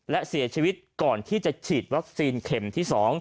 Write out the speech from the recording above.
และเสียชีวิตก่อนที่จะฉีดวัคซีนเข็มที่๒